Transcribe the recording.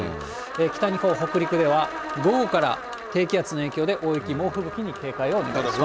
北日本、北陸では午後から低気圧の影響で大雪、猛吹雪に警戒をお願いします。